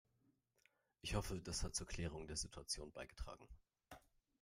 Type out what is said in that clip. Ich hoffe, das hat zur Klärung der Situation beigetragen.